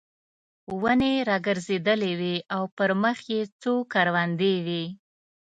ونې را ګرځېدلې وې او پر مخامخ یې څو کروندې وې.